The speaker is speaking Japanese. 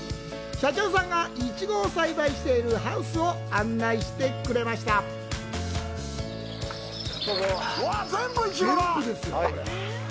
社長さんが、イチゴを栽培しているハウスを案内してくださいます。